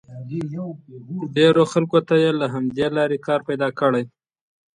ډېرو خلکو ته یې له همدې لارې کار پیدا کړی.